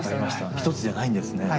１つじゃないんですね。